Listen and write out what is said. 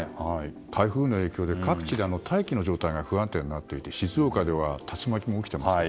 台風の影響で各地で大気の状態が不安定になっていて静岡では竜巻も起きています。